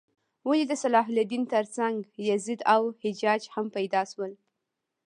ولې د صلاح الدین تر څنګ یزید او حجاج هم پیدا شول؟